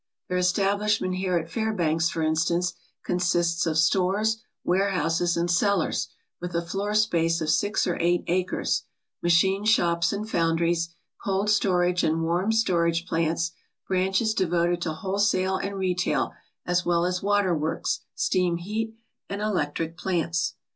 Their establishment here at Fairbanks, for instance, con sists of stores, warehouses, and cellars, with a floor space of six or eight acres, machine shops and foundries, cold storage and warm storage plants, branches devoted to wholesale and retail, as well as waterworks, steam heat and electric plants.